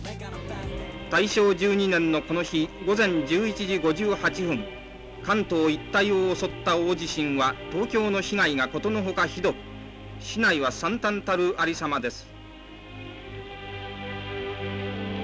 大正１２年のこの日午前１１時５８分関東一帯を襲った大地震は東京の被害がことのほかひどく市内はさんたんたるありさまです。